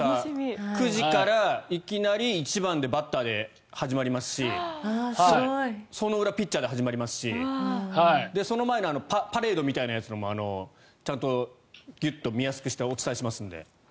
９時からいきなり１番でバッターで始まりますしその裏ピッチャーで始まりますしその前のパレードみたいなやつもちゃんとギュッと見やすくしてお伝えしますので。